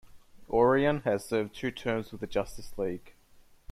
Orion has served two terms with the Justice League.